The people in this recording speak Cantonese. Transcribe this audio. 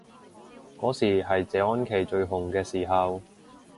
嗰時係謝安琪最紅嘅時候